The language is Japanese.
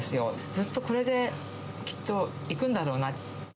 ずっとこれできっといくんだろうなって。